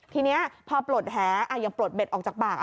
ทีเนี้ยพอปลดแหอ่ะยังปลดเบ็ดออกจากปากอ่ะ